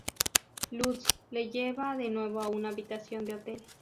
Lutz le lleva de nuevo a una habitación de hotel.